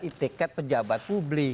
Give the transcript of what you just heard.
etika pejabat publik